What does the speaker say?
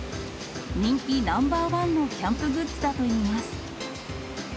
人気ナンバー１のキャンプグッズだといいます。